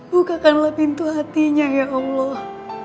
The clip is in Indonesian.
bukakanlah pintu hatinya ya allah